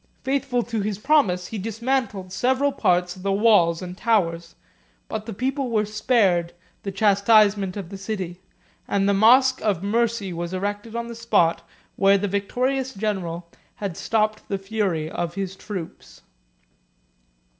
Faithful to his promise, he dismantled several parts of the walls and towers; but the people was spared in the chastisement of the city, and the mosch of Mercy was erected on the spot where the victorious general had stopped the fury of his troops.